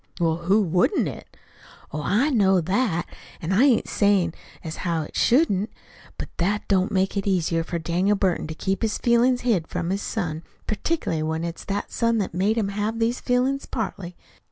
"Well, who wouldn't it?" "Oh, I know that; an' I ain't sayin' as how it shouldn't. But that don't make it no easier for Daniel Burton to keep his feelin's hid from his son, particularly when it's that son that's made him have the feelin's, partly.